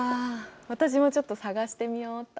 私もちょっと探してみよっと。